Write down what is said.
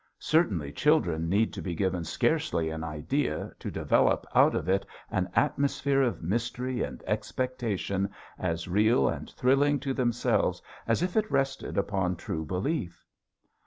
Certainly children need to be given scarcely an idea to develop out of it an atmosphere of mystery and expectation as real and thrilling to themselves as if it rested upon true belief.